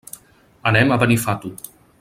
Anem a Benifato.